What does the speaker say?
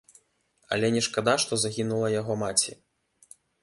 Але не шкада, што загінула яго маці.